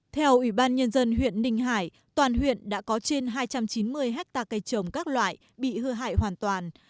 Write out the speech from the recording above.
theo ủy ban nhân dân huyện ninh hải toàn huyện đã có trên hai trăm chín mươi hectare cây trồng các loại bị hư hại hoàn toàn